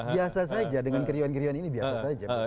biasa saja dengan keriuhan keriuhan ini biasa saja